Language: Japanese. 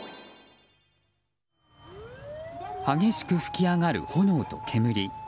激しく噴き上がる炎と煙。